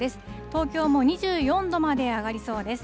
東京も２４度まで上がりそうです。